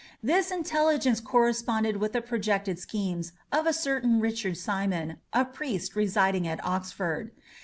This intelligence corresponded with the projected schemes of a certain Richard Simon, a priest residing at Oxford.